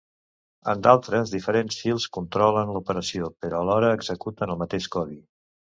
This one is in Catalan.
En d'altres, diferents fils controlen l'operació, però alhora executen el mateix codi.